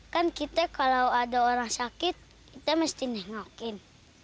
kan kita kalau ada orang sakit kita mesti nengokin